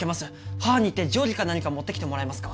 母に言って定規か何か持ってきてもらえますか？